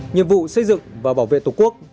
nhiệm vụ xây dựng và bảo vệ tổ quốc